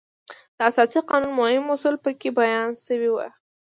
د اساسي قانون مهم اصول په کې بیان شوي وو.